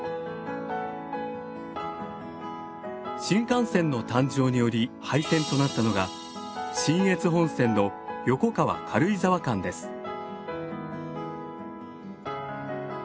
新幹線の誕生により廃線となったのが信越本線の横川軽井沢間です。